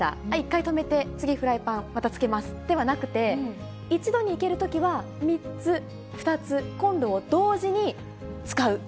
１回止めて、次、フライパン、またつけますではなくて、一度にいけるときは、３つ、２つ、コンロを同時に使う。